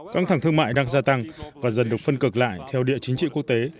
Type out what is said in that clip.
căng thẳng thương mại đang gia tăng và dần được phân cực lại theo địa chính trị quốc tế